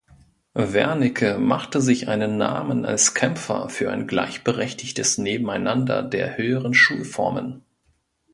Wernicke machte sich einen Namen als Kämpfer für ein gleichberechtigtes Nebeneinander der höheren Schulformen.